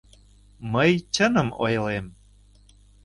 Мый чыным ойлем...